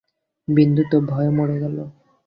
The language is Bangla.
বিন্দু তো ভয়ে মরে গেল।